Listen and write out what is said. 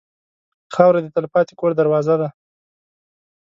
خاوره د تلپاتې کور دروازه ده.